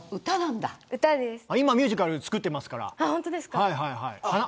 今、ミュージカル作ってますから。